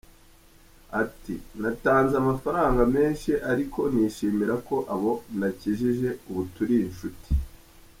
Ati “Natanze amafaranga menshi ariko nishimira ko abo nakijije ubu turi inshuti.